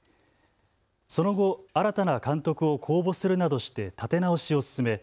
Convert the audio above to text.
その後、新たな監督を公募するなどして立て直しを進め